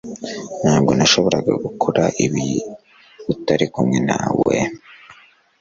Ntabwo nashoboraga gukora ibi utari kumwe nawe